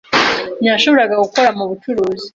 Ntiyashoboraga gukora mubucuruzi.